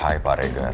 hai pak reger